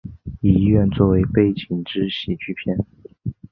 以医院作为背景之喜剧片。